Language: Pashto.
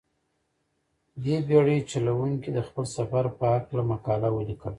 دې بېړۍ چلوونکي د خپل سفر په هلکه مقاله ولیکله.